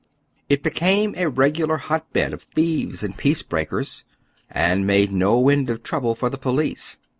It became a regular hot bed of thieves and peace breakers, and made no end of trouble for the police.